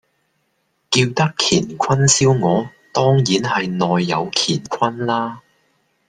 叫得乾坤燒鵝，當然係內有乾坤啦